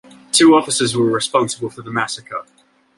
Two officers were responsible for the massacre.